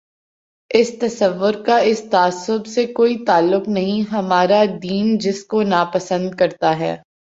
اس تصور کا اس تعصب سے کوئی تعلق نہیں، ہمارا دین جس کو ناپسند کر تا ہے۔